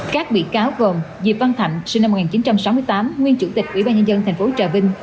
các bị cáo gồm diệp văn thạnh sinh năm một nghìn chín trăm sáu mươi tám nguyên chủ tịch ủy ban nhân dân tp trà vinh